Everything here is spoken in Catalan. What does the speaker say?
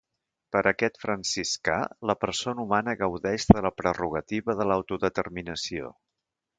Per a aquest franciscà, la persona humana gaudeix de la prerrogativa de l'autodeterminació.